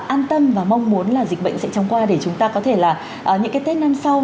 an tâm và mong muốn là dịch bệnh sẽ chống qua để chúng ta có thể là những cái tết năm sau